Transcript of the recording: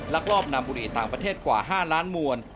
ลักลอบนำบุรีต่างประเทศกว่า๕ล้านมวล